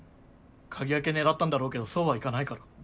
鍵開け狙ったんだろうけどそうはいかないから。